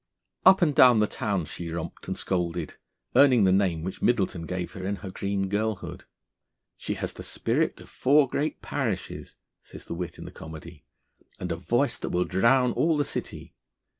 Up and down the town she romped and scolded, earning the name which Middleton gave her in her green girlhood. 'She has the spirit of four great parishes,' says the wit in the comedy, 'and a voice that will drown all the city.'